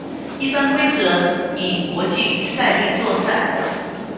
一般规则以国际赛例作赛。